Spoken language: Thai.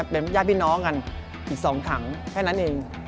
เป็นญาติพี่น้องกันอีก๒ถังแค่นั้นเอง